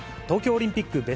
東京オリンピック